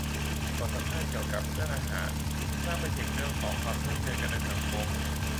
บทสัมภาษณ์เกี่ยวกับเรื่องอาหารลากไปถึงเรื่องของความเท่าเทียมกันในสังคม